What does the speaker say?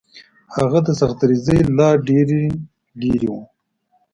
هغه د سختدریځۍ لا ډېر لرې و.